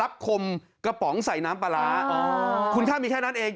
คมกระป๋องใส่น้ำปลาร้าอ๋อคุณค่ามีแค่นั้นเอง